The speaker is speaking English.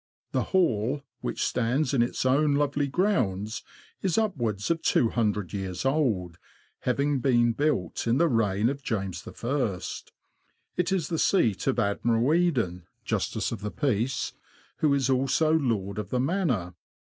The Hall, which stands in its own lovely grounds, is up wards of 200 years old, having been built in the reign of James I. It is the seat of Admiral Eden, J. P., who is also lord of the manor.